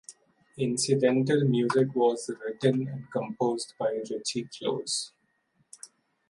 Incidental music was written and composed by Richie Close.